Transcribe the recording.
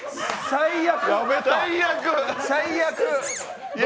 最悪。